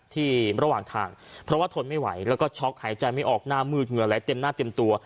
ระหว่างทางเพราะว่าทนไม่ไหวแล้วก็ช็อกหายใจไม่ออกหน้ามืดเหงื่อไหลเต็มหน้าเต็มตัว